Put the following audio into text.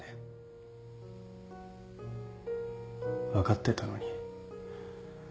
分かってたのに。